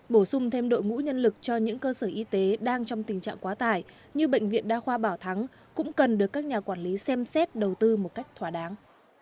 bổ sung thêm đội ngũ nhân lực cho những cơ sở y tế đang trong tình trạng quá tải như bệnh viện đa khoa bảo thắng cũng cần được các nhà quản lý xem xét đầu tư một cách thỏa đáng